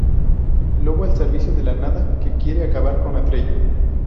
Lobo al servicio de la Nada que quiere acabar con Atreyu.